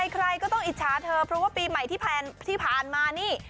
ใครก็ต้องอิจฉาเธอเพราะว่าปีใหม่ที่ผ่านมานี่